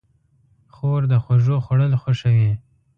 خور د خوږو خوړل خوښوي.